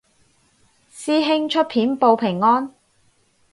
師兄出片報平安